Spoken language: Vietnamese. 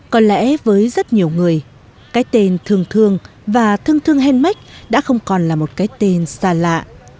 có lẽ với rất nhiều người cái tên thương thương và thân thương handmak đã không còn là một cái tên xa lạ